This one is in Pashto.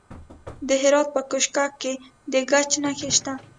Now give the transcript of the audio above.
د هرات په کشک کې د ګچ نښې شته.